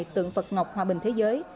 tượng phật ngọc hòa bình thế giới